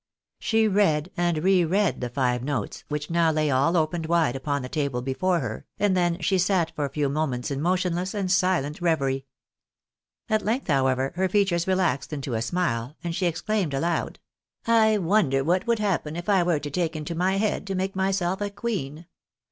She read and re read the five notes, which now lay all opened wide upon the table before her, and then she sat for a few moments in motionless and silent reverie. At length, however, her features relaxed into a smile, and she exclaimed aloud — J 146 THE BAENABYS IN AMEIUCA. " I wonder what would happen if I were to take into my head to make myself a queen